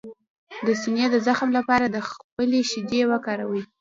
د سینې د زخم لپاره د خپلې شیدې وکاروئ